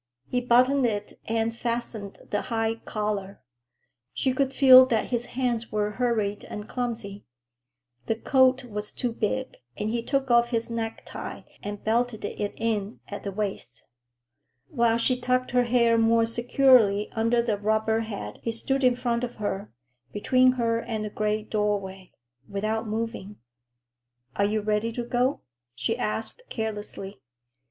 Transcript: He buttoned it and fastened the high collar. She could feel that his hands were hurried and clumsy. The coat was too big, and he took off his necktie and belted it in at the waist. While she tucked her hair more securely under the rubber hat he stood in front of her, between her and the gray doorway, without moving. "Are you ready to go?" she asked carelessly.